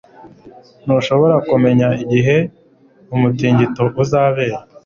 Ntushobora kumenya igihe umutingito uzabera.